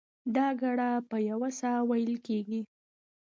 دا ګړه په یوه ساه وېل کېږي.